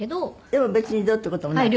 でも別にどうって事もない？